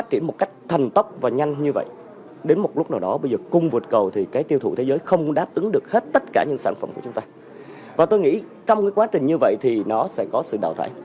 trong quá trình như vậy thì nó sẽ có sự đào thái